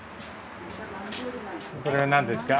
これは何ですか？